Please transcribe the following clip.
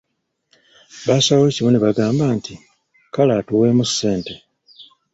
Baasalawo kimu ne bagamba nti:"kale atuweemu ssente"